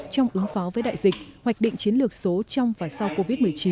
trong ứng phó với đại dịch hoạch định chiến lược số trong và sau covid một mươi chín